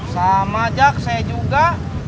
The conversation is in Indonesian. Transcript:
sama jak saya juga